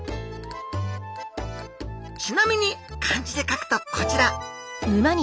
ちなみに漢字で書くとこちら。